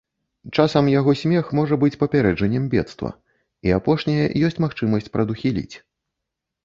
Часам яго смех можа быць папярэджаннем бедства, і апошняе ёсць магчымасць прадухіліць.